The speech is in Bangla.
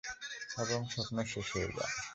এবং স্বপ্ন শেষ হয়ে যায়।